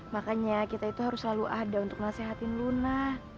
makanya kita itu harus selalu ada untuk nasehatin luna